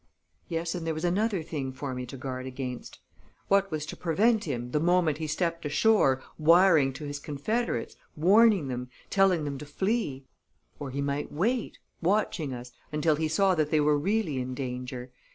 Yes, and there was another thing for me to guard against. What was to prevent him, the moment he stepped ashore, wiring to his confederates, warning them, telling them to flee? Or he might wait, watching us, until he saw that they were really in danger.